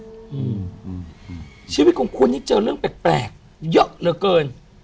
อืมชีวิตของคุณนี่เจอเรื่องแปลกแปลกเยอะเหลือเกิน